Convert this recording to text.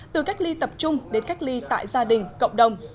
từ cách ly tập trung đến cách ly tại gia đình cộng đồng